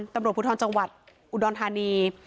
ตำรวจภูทรจังหวัดอุดรธานี